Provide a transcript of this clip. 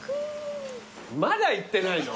まだいってないの？